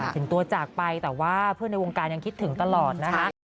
ถึงตัวจากไปแต่ว่าเพื่อนในวงการยังคิดถึงตลอดนะคะ